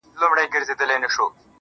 د ړندو لښکر نیولي تر لمن یو -